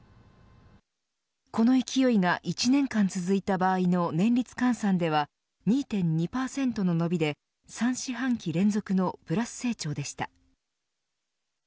この勢いが１年間続いた場合の年率換算では２．２％の伸びで３四半期連続のプラス成長でした。